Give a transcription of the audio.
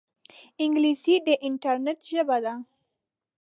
انګلیسي د انټرنیټ ژبه ده